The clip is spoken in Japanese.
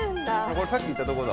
これさっき行ったとこだ。